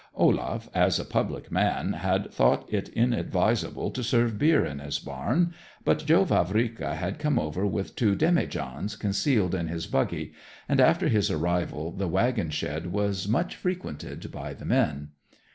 Olaf, as a public man, had thought it inadvisable to serve beer in his barn; but Joe Vavrika had come over with two demijohns concealed in his buggy, and after his arrival the wagon shed was much frequented by the men.